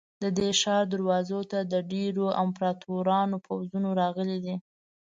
د دې ښار دروازو ته د ډېرو امپراتورانو پوځونه راغلي دي.